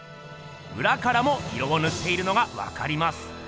うらからも色をぬっているのがわかります。